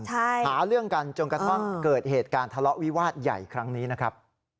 หาเรื่องกันจนกระทั่งเกิดเหตุการณ์ทะเลาะวิวาสใหญ่ครั้งนี้นะครับ